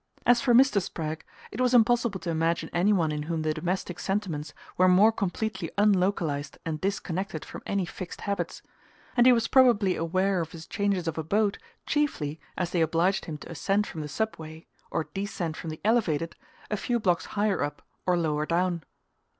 As for Mr. Spragg, it was impossible to imagine any one in whom the domestic sentiments were more completely unlocalized and disconnected from any fixed habits; and he was probably aware of his changes of abode chiefly as they obliged him to ascend from the Subway, or descend from the "Elevated," a few blocks higher up or lower down.